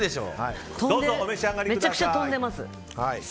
めちゃくちゃ飛んでます。